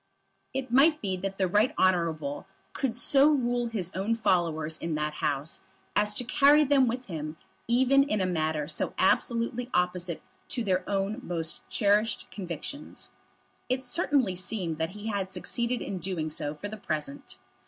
It might be that the Right Honourable could so rule his own followers in that House as to carry them with him even in a matter so absolutely opposite to their own most cherished convictions. It certainly seemed that he had succeeded in doing so for the present.